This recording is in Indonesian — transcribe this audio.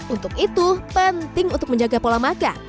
untuk itu penting untuk menjaga pola makan